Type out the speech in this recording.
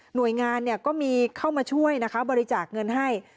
หน่วยงานก็มีเข้ามาช่วยนะคะบริจาคเงินให้